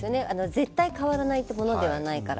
絶対変わらないというものではないから。